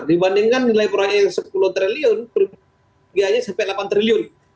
dibandingkan nilai proyek yang sepuluh triliun biayanya sampai delapan triliun